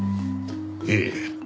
ええ。